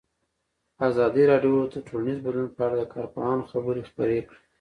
ازادي راډیو د ټولنیز بدلون په اړه د کارپوهانو خبرې خپرې کړي.